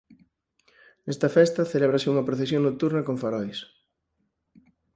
Nesta festa celébrase unha procesión nocturna con farois.